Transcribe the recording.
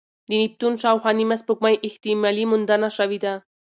د نیپتون شاوخوا نیمه سپوږمۍ احتمالي موندنه شوې ده.